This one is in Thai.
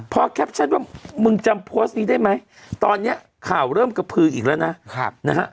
พอแคปชั่นว่ามึงจำโพสต์นี้ได้ไหมตอนนี้ข่าวเริ่มกระพืออีกแล้วนะนะฮะ